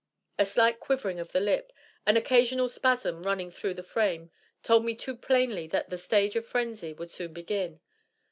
A slight quivering of the lip, an occasional spasm running through the frame, told me too plainly that the stage of frenzy would soon begin.